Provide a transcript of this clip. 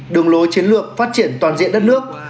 đường lối chiến lược phát triển toàn diện đất nước